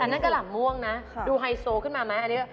อันนั้นกะหล่ำม่วงนะดูไฮโซขึ้นมามั้ย